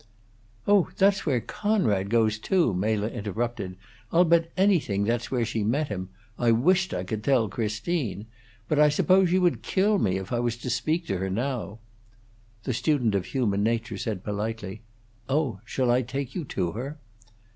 "Oh, that's where Conrad goes, too!" Mela interrupted. "I'll bet anything that's where she met him. I wisht I could tell Christine! But I suppose she would want to kill me, if I was to speak to her now." The student of human nature said, politely, "Oh, shall I take you to her?"